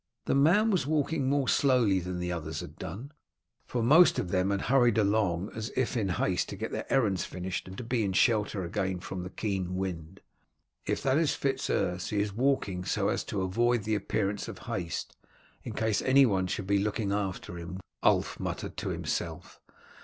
The man was walking more slowly than the others had done, for most of them had hurried along as if in haste to get their errands finished and to be in shelter again from the keen wind. "If that is Fitz Urse, he is walking so as to avoid the appearance of haste in case anyone should be looking after him," Ulf muttered to himself.